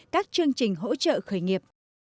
các chương trình hỗ trợ khởi nghiệp